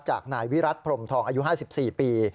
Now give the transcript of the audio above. จากนายวิรัติพรมทองอายุ๕๔ปี